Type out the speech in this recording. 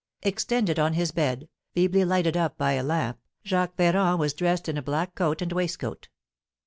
Extended on his bed, feebly lighted up by a lamp, Jacques Ferrand was dressed in a black coat and waistcoat.